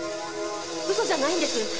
嘘じゃないんです。